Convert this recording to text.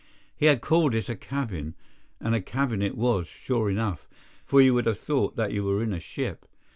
He had called it a cabin, and a cabin it was, sure enough, for you would have thought that you were in a ship.